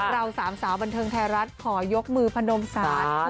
เราสามสาวบันเทิงไทยรัฐขอยกมือพนมสาร